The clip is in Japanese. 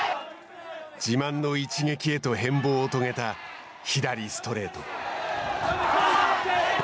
自慢の一撃へと変貌を遂げた左ストレート。